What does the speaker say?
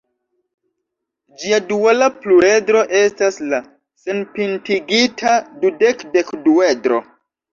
Ĝia duala pluredro estas la senpintigita dudek-dekduedro.